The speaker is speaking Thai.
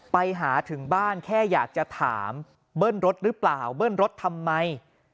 ไปหาถึงบ้านแค่อยากจะถามเบิ้ลรถหรือเปล่าเบิ้ลรถทำไม